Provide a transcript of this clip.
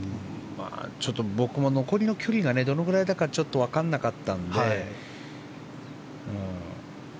ちょっと僕も残りの距離がどのくらいか分からなかったので。